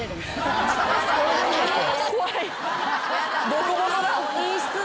ボコボコだ。